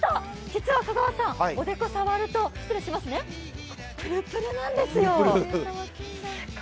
実は香川さん、おでこを触るとぷるぷるなんですよ。